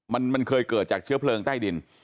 มันเคยเกิดจากเชื้อเพลิงใต้ดิน